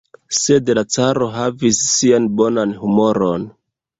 Sed la caro havis sian bonan humoron.